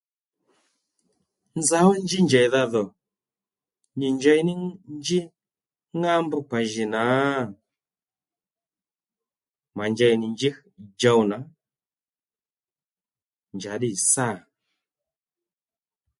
Nza ó njí njèydha dhò nyi njey ní njí ŋá mbrkpa jì nǎ mà njey nì njí jow nà njàddî sâ